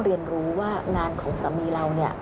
เรียนรู้ว่างานของสามีเรา